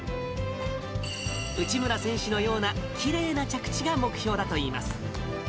内村選手のようなきれいな着地が目標だといいます。